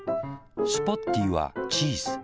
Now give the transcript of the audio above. スポッティーはチーズ。